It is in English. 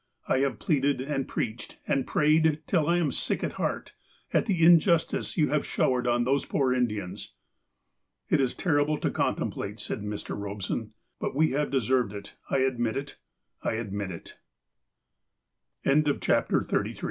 I have pleaded, and preached, and prayed, till I am sick at heart, at the injustice you have showered on those poor Indians." ''It is terrible to contemplate," said Mr. Eobson, but we have deserved it. I admit it. I admit it."